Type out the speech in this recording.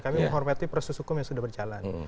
kami menghormati proses hukum yang sudah berjalan